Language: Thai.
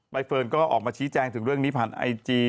เฟิร์นก็ออกมาชี้แจงถึงเรื่องนี้ผ่านไอจี